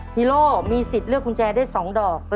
ฮีโร่มีสิทธิ์เลือกกุญแจได้๒ดอก